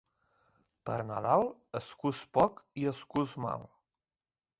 Per Nadal, es cus poc i es cus mal.